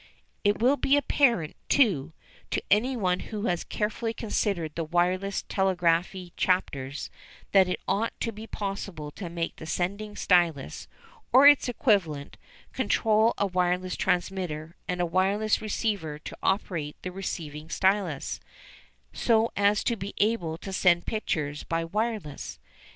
It will be apparent, too, to anyone who has carefully considered the wireless telegraphy chapters, that it ought to be possible to make the sending stylus or its equivalent control a wireless transmitter and a wireless receiver to operate the receiving stylus, so as to be able to send pictures by "wireless."